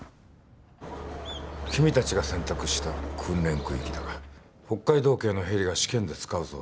君たちが選択した訓練空域だが北海道警のヘリが試験で使うそうだ。